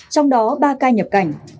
trong đó ba ca nhập cảnh